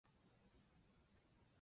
三辅各地起兵对抗更始帝军。